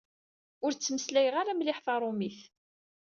Ur ttmeslayeɣ ara mliḥ tarumit!